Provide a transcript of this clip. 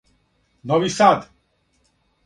Нови Сад